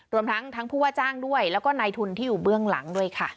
รวมทั้งทั้งผู้ว่าจ้างด้วยแล้วก็นายทุนที่อยู่เบื้องหลังด้วยค่ะ